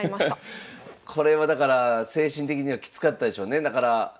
これはだから精神的にはきつかったでしょうね。